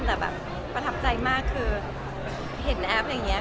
แต่แบบประทับใจมากคือเห็นแอปอย่างนี้